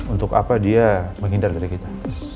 untuk apa dia menghindar dari kita